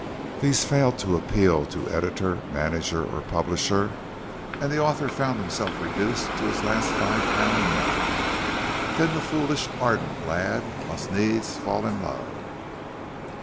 These failed to appeal to editor, manager or publisher, and their author found himself reduced to his last five pound note. Then the foolish, ardent lad must needs fall in love.